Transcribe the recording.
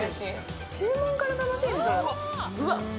注文から楽しいですよ。